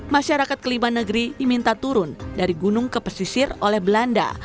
masyarakat kelima negeri diminta turun dari gunung ke pesisir oleh belanda